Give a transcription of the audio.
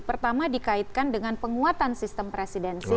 pertama dikaitkan dengan penguatan sistem presidensi